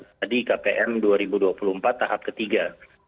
tadi kpm dua ribu dua puluh empat tahap ketiga